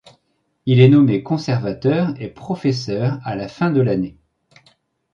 Il est nommé conservateur et professeur à la fin de l'année.